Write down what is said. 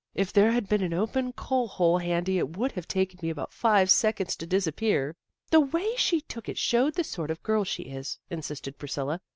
" If there had been an open coal hole handy it would have taken me about five seconds to disap pear." " The way she took it showed the sort of girl she is," insisted Priscilla.